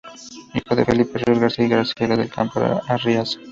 Hijo de Felipe Ríos García y Graciela del Campo Arriaza.